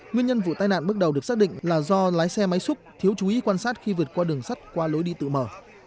nguyên nhân vụ tai nạn bước đầu được xác định là do lái xe máy xúc thiếu chú ý quan sát khi vượt qua đường sắt qua lối đi tự mở